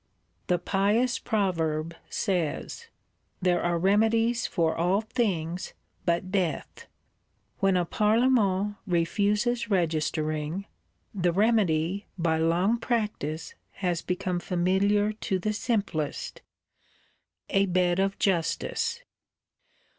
The pious Proverb says, "There are remedies for all things but death." When a Parlement refuses registering, the remedy, by long practice, has become familiar to the simplest: a Bed of Justice.